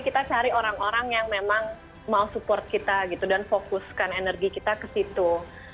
kita cari orang orang yang memang mau support kita gitu dan fokuskan energi kita ke situ